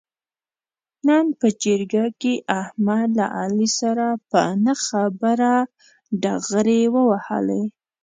نن په جرګه کې احمد له علي سره په نه خبره ډغرې و وهلې.